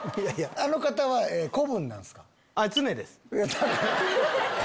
あの方は子分なんすか？